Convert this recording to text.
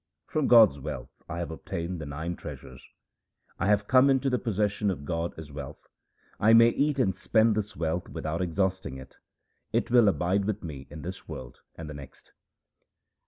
From God's wealth I have obtained the nine treasures ; I have come into the possession of God as wealth. I may eat and spend this wealth without exhausting it ; it will abide with me in this world and the next.